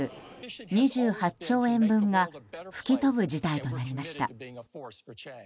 ２８兆円分が吹き飛ぶ事態となりました。